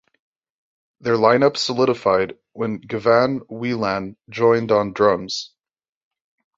Their line-up solidified when Gavan Whelan joined on drums.